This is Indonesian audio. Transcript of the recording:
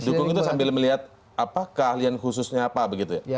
dukung itu sambil melihat apa keahlian khususnya apa begitu ya